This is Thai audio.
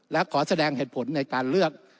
และขอแสดงเหตุผลในการเลือก